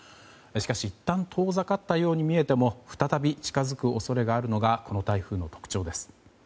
しかしいったん遠ざかったように見えても再び近づくように見えるのがこの台風の特徴です。